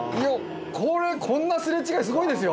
これこんなすれ違いすごいですよ！